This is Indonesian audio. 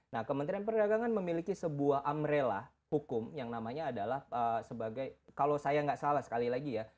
nah kementerian perdagangan memiliki sebuah amrella hukum yang namanya adalah sebagai kalau saya nggak salah sekali lagi ya